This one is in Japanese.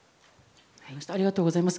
ありがとうございます。